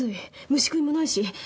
虫食いもないし。